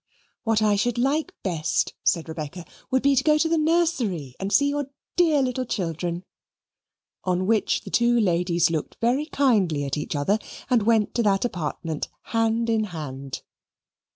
"What I should like best," said Rebecca, "would be to go to the nursery and see your dear little children." On which the two ladies looked very kindly at each other and went to that apartment hand in hand.